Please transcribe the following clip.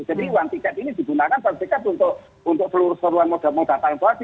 jadi one ticket ini digunakan untuk pelurus pelurusan modal modal tangguh tangguh